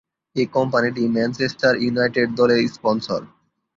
এ কোম্পানিটি Manchester United দলের sponsor.